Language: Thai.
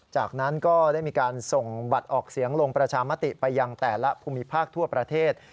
จากนั้นก็ได้มีการส่งบัตรออกเสียงลงประชามติไปยังแต่ละภูมิภาคทั่วประเทศ